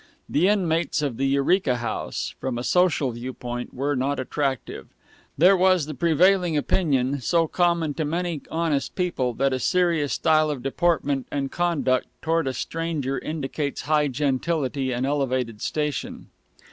The inmates of the Eureka House, from a social viewpoint, were not attractive. There was the prevailing opinion so common to many honest people that a serious style of deportment and conduct toward a stranger indicates high gentility and elevated station.